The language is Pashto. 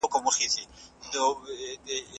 کدو د زړه لپاره ګټور دی.